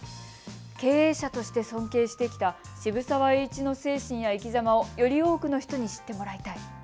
経営者として尊敬してきた渋沢栄一の精神や生きざまをより多くの人に知ってもらいたい。